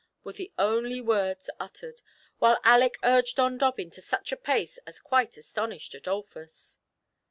were the only words uttered, while Aleck urged on Dobbin to such a pace as quite astonished Adolphus.